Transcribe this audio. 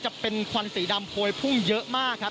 จะเป็นควันสีดำโพยพุ่งเยอะมากครับ